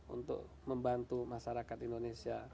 untuk membantu masyarakat indonesia